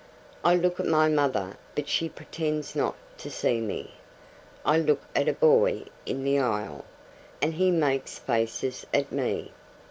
I look at my mother, but she pretends not to see me. I look at a boy in the aisle, and he makes faces at me.